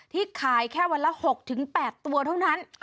ที่ขายแค่วันละ๖๘ตัวเท่านั้น